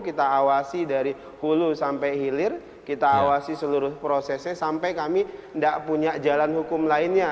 kita awasi dari hulu sampai hilir kita awasi seluruh prosesnya sampai kami tidak punya jalan hukum lainnya